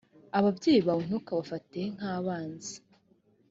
ababyeyi bawe ntukabafate nk abanzi